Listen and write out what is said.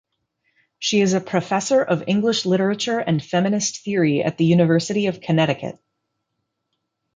She is professor of English literature and feminist theory at the University of Connecticut.